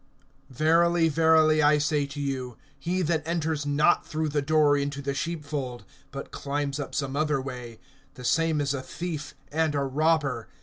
VERILY, verily, I say to you: He that enters not through the door into the sheepfold, but climbs up some other way, the same is a thief and a robber.